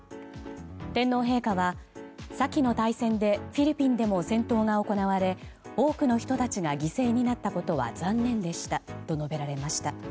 天皇陛下は先の大戦でフィリピンでも戦闘が行われ多くの人が犠牲になったことは残念でしたと述べられました。